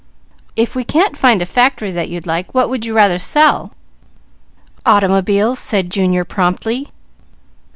If we can't find a factory that you'd like, what would you rather sell?" "Automobiles," said Junior promptly.